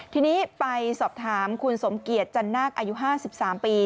ทีนี้ไปสอบถามคุณสมเกียจจันนาคอายุ๕๓ปี